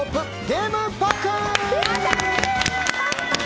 ゲームパーク。